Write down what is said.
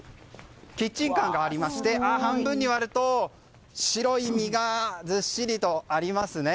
キッチンカーがありまして半分に割ると白い実がずっしりとありますね。